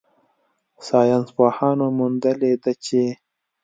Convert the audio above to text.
ساینسپوهانو موندلې ده چې